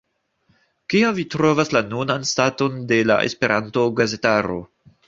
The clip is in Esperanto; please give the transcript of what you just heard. Kia vi trovas la nunan staton de la Esperanto-gazetaro?